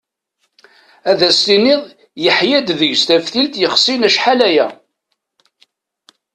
Ad as-tiniḍ yeḥya-d deg-s taftilt yexsin acḥal-aya.